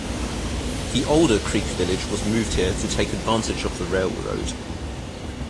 The older Creek village was moved here to take advantage of the railroad.